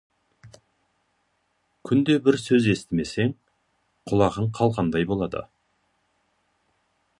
Күнде бір сөз естімесең, құлағың қалқандай болады.